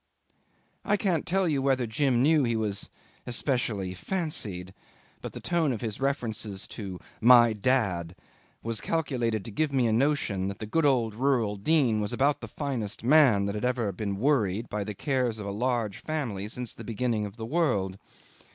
'I can't tell you whether Jim knew he was especially "fancied," but the tone of his references to "my Dad" was calculated to give me a notion that the good old rural dean was about the finest man that ever had been worried by the cares of a large family since the beginning of the world.